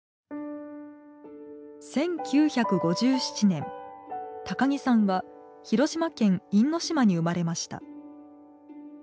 １９５７年高木さんは広島県因島に生まれました。